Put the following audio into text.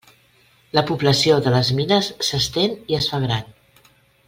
La població de les mines s'estén i es fa gran.